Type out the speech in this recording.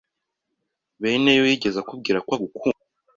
Beneyo yigeze akubwira ko agukunda?